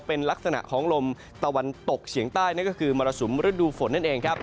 เป็นลักษณะของลมตะวันตกเฉียงใต้นั่นก็คือมรสุมฤดูฝนนั่นเองครับ